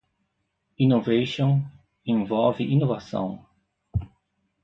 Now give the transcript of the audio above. Innovation envolve inovação.